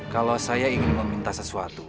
kalau saya ingin meminta sesuatu